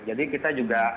jadi kita juga